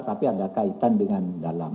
tapi ada kaitan dengan dalam